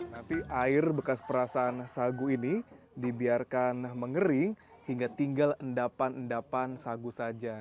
nanti air bekas perasaan sagu ini dibiarkan mengering hingga tinggal endapan endapan sagu saja